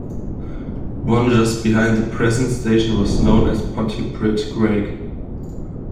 One, just behind the present station, was known as Pontypridd Graig.